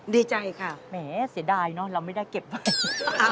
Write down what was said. ดีใจค่ะเหมือนเว้ยเสียดายเนอะเราไม่ได้เก็บไป